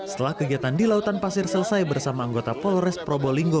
setelah kegiatan di lautan pasir selesai bersama anggota polres probolinggo